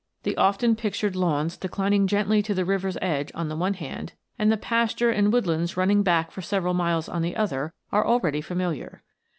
The often pictured lawns declining gently to the river's edge on the one hand, and the pasture and woodlands running back for several miles on the other, are already familiar.